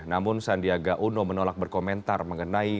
namun sandiaga uno menolak berkomentar mengenai